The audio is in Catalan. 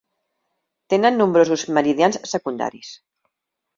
Tenen nombrosos meridians secundaris.